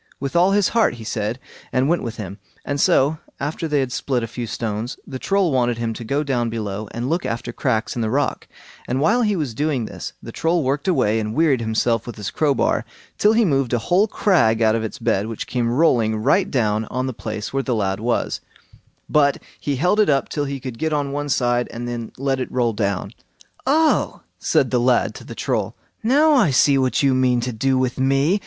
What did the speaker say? With all his heart, he said, and went with him; and so, after they had split a few stones, the Troll wanted him to go down below and look after cracks in the rock; and while he was doing this, the Troll worked away, and wearied himself with his crowbar till he moved a whole crag out of its bed, which came rolling right down on the place where the lad was; but he held it up till he could get on one side, and then let it roll on. "Oh!" said the lad to the Troll, "now I see what you mean to do with me.